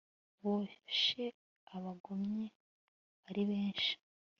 boshye abagomye ari benshi